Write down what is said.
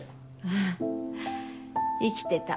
あっ生きてた。